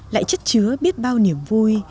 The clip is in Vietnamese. lại chất chứa biết bao niềm vui